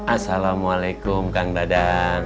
assalamualaikum kan badan